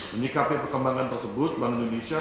menikapi perkembangan tersebut bank indonesia